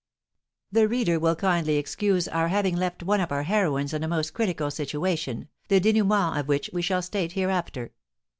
The reader will kindly excuse our having left one of our heroines in a most critical situation, the dénouement of which we shall state hereafter.